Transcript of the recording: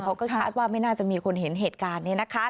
เขาก็คาดว่าไม่น่าจะมีคนเห็นเหตุการณ์นี้นะคะ